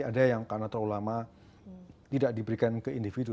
ada yang karena terlalu lama tidak diberikan ke individu